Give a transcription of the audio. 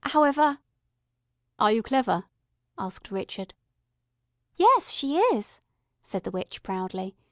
However " "Are you clever?" asked Richard. "Yes, she is," said the witch proudly.